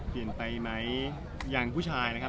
เปลี่ยนไปไหมอย่างผู้ชายนะครับ